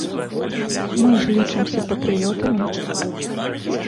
Мы ж лічымся патрыётамі.